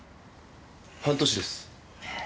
半年です。